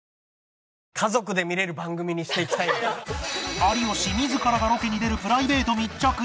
有吉自らがロケに出るプライベート密着に